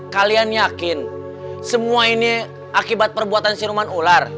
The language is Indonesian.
kalian yakin semua ini akibat perbuatan siruman ular